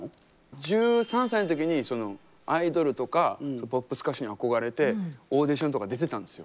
１３歳の時にアイドルとかポップス歌手に憧れてオーディションとか出てたんですよ。